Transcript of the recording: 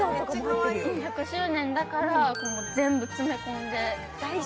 １００周年だから全部詰めたんで。